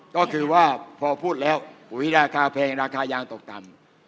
ก็คือว่าพอพูดแล้วปุ๋ยราคาแพงราคายางตกต่ำ